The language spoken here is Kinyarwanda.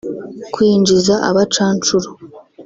kwinjiza abacanshuro